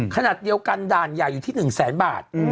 ขณะเดียวกันด่านใหญ่อยู่ที่๑แสนบาท